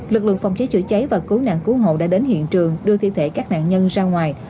lực lượng phòng cháy chữa cháy và cứu nạn cứu hộ đã đến hiện trường đưa thi thể các nạn nhân ra ngoài